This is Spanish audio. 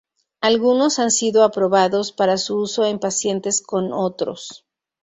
Algunos han sido aprobados para su uso en pacientes con otros.